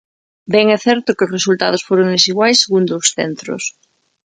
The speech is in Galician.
Ben é certo que os resultados foron desiguais segundo os centros.